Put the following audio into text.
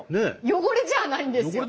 汚れじゃないんですよ。